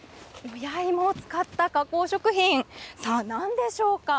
親芋を使った加工食品、さあ、なんでしょうか。